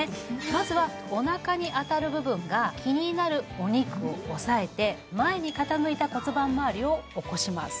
まずはお腹に当たる部分が気になるお肉をおさえて前に傾いた骨盤周りを起こします